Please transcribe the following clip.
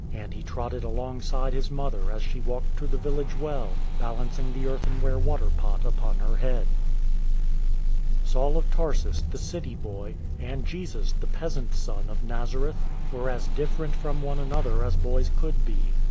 And He trotted alongside His mother as she walked to the village well, balancing the earthen ware water pot upon her head. Saul of Tarsus, the city boy, and Jesus, the peasant's Son, of Nazareth, were as different from one another as boys could be.